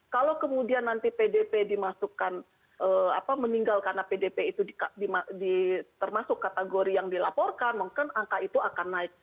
kalau kemudian nanti pdp dimasukkan meninggal karena pdp itu termasuk kategori yang dilaporkan mungkin angka itu akan naik